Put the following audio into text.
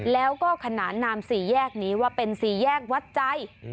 แล้วก็ขนานนามสี่แยกนี้ว่าเป็นสี่แยกวัดใจ